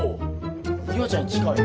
夕空ちゃん近い。